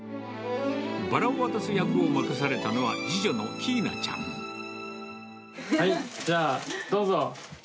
バラを渡す役を任されたのは、はい、じゃあ、どうぞ。